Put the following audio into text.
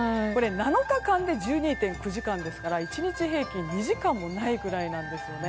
７日間で１２．９時間ですから１日平均２時間もないくらいなんですね。